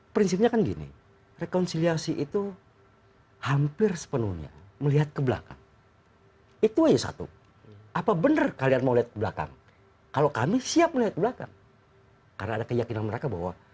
prinsipnya kan gini rekonsiliasi itu hampir sepenuhnya melihat ke belakang itu aja satu apa benar kalian mau lihat belakang kalau kami siap melihat belakang karena ada keyakinan mereka bahwa